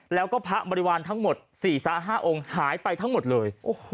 แล้วก็พระบริวารทั้งหมด๔๕องค์หายไปทั้งหมดเลย